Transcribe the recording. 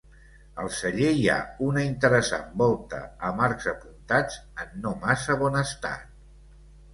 Al celler hi ha una interessant volta amb arcs apuntats, en no massa bon estat.